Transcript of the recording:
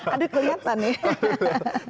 ada kelihatan nih